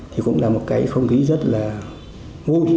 thì cũng là một cái không khí rất là vui